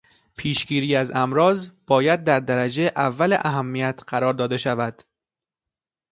پیشگیری از امراض باید در درجهٔ اول اهمیت قرار داده شود.